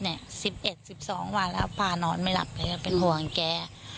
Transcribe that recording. เนี่ย๑๑๑๒วันแล้วพานอนไม่หลับเลยก็เป็นห่วงแก